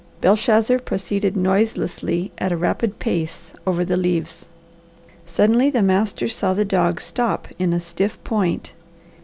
Belshazzar proceeded noiselessly at a rapid pace over the leaves: Suddenly the master saw the dog stop in a stiff point.